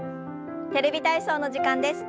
「テレビ体操」の時間です。